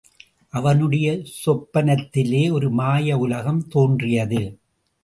அவனுடைய சொப்பன்த்திலே ஒரு மாய உலகம் தோன்றியது.